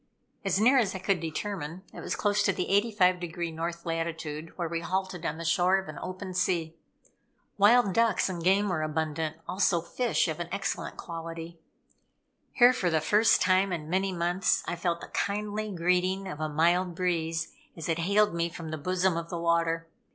As near as I could determine, it was close to the 85° north latitude, where we halted on the shore of an open sea. Wild ducks and game were abundant, also fish of an excellent quality. Here, for the first time in many months, I felt the kindly greeting of a mild breeze as it hailed me from the bosom of the water.